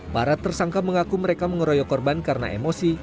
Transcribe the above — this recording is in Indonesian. para tersangka mengaku mereka mengeroyok korban karena emosi